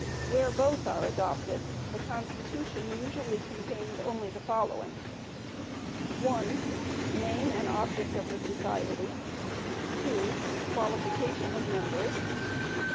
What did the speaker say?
Where both are adopted, the constitution usually contains only the following: (1) Name and object of the society. (2) Qualification of members.